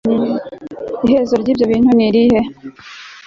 iherezo ry ibyo bintu ni irihe